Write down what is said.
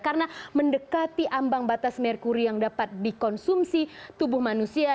karena mendekati ambang batas merkuri yang dapat dikonsumsi tubuh manusia